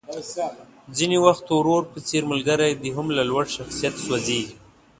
ځينې وخت ورور په څېر ملګری دې هم له لوړ شخصيت سوځېږي.